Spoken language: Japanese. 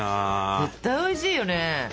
絶対おいしいよね！